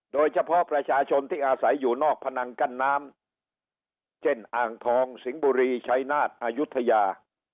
โดยเฉพาะประชาชนที่อาศัยอยู่นอกพนังกั้นน้ำเช่นอ่างทองสิงห์บุรีชัยนาฏอายุทยา